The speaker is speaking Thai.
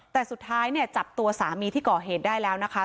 แต่สุดท้ายเนี่ยจับตัวสามีที่ก่อเหตุได้แล้วนะคะ